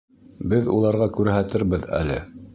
Беҙ уларға күрһәтербеҙ әле!